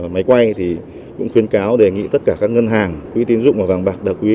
máy quay cũng khuyên cáo đề nghị tất cả các ngân hàng quý tin dụng và vàng bạc đặc quý